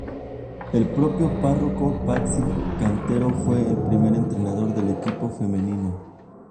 El propio párroco Patxi Cantero fue el primer entrenador del equipo femenino.